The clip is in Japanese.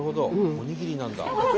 おにぎりなんだ。